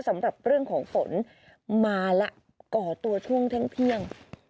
สำหรับเรื่องของฝนมาแล้วก่อตัวช่วงเที่ยง